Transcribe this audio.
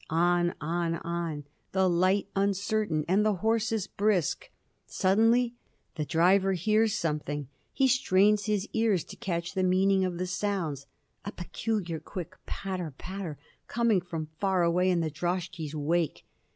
On, on, on, the light uncertain and the horses brisk. Suddenly the driver hears something he strains his ears to catch the meaning of the sounds a peculiar, quick patter, patter coming from far away in the droshky's wake.